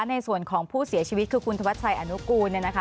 ในส่วนของผู้เสียชีวิตคือคุณธวัชชัยอนุกูล